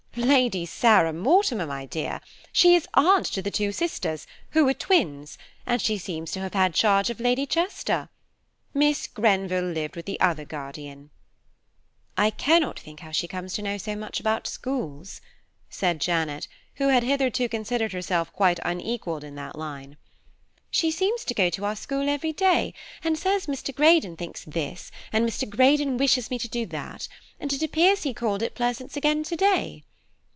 "Lady Sarah Mortimer, my dear. She is aunt to the two sisters, who are twins, and she seems to have had charge of Lady Chester. Miss Grenville lived with the other guardian." "I cannot think how she comes to know so much about schools," said Janet, who had hitherto considered herself quite unequalled in that line. "She seems to go to our school every day, and says Mr. Greydon thinks this, and Mr. Greydon wishes me to do that; and it appears he called at Pleasance again to day.